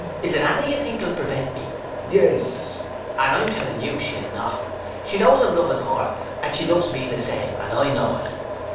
] Is it Anna you think will prevent me? CHRIS Yes. BURKE And I'm telling you she'll not. She knows I'm loving her, and she loves me the same, and I know it.